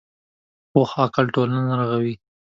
پوخ عقل ټولنه رغوي